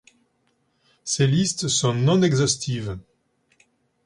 Ces listes sont non-exhaustives.